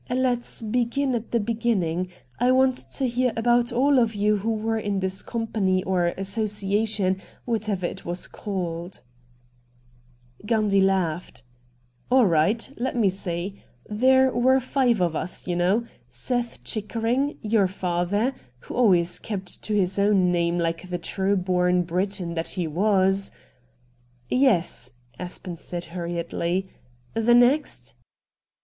' Let's begin at the beginning. I want to hear about all of you who were in this company or association, whatever it was called.' Gundy laughed. ' All right — let me see — there were five of us, you know — Seth Chickering — your father — who always kept to his own name like the true born Briton that he was '' Yes,' Aspen said, hurriedly. * The next